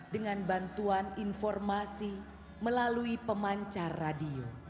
dengan bantuan informasi melalui pemancar radio